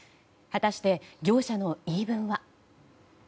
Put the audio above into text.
果たして業者の言い分は。